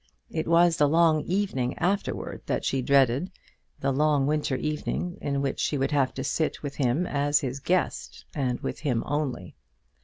It was the long evening afterwards that she dreaded the long winter evening, in which she would have to sit with him as his guest, and with him only.